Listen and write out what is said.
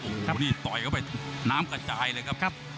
โอ้โหนี่ต่อยเข้าไปน้ำกระจายเลยครับ